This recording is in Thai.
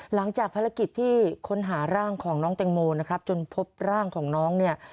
หลังจากภารกิจที่ค้นหาร่างของน้องแตงโมนะครับจนพบร่างของน้องเนี่ย